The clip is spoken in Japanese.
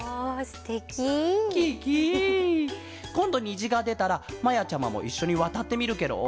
こんどにじがでたらまやちゃまもいっしょにわたってみるケロ？